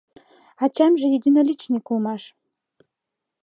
— Ачамже единоличник улмаш.